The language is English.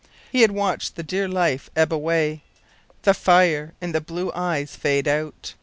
He had watched the dear life ebb away, the fire in the blue eyes fade out.